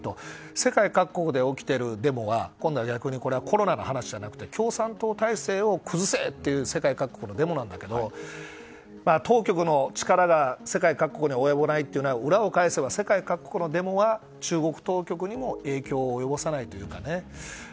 世界各国で起きているデモは今度は逆にコロナの話じゃなくて共産党体制を崩せという世界各国のデモなんだけど当局の力が世界各国に及ばないのは裏を返せば、世界各国のデモは中国当局にも影響を及ぼさないというかね。